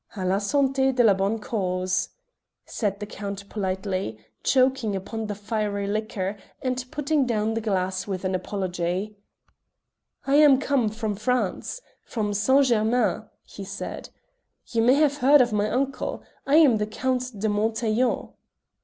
"À la santé de la bonne cause!" said the Count politely, choking upon the fiery liquor and putting down the glass with an apology. "I am come from France from Saint Germains," he said. "You may have heard of my uncle; I am the Count de Montaiglon."